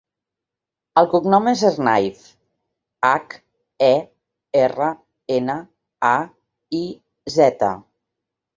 El cognom és Hernaiz: hac, e, erra, ena, a, i, zeta.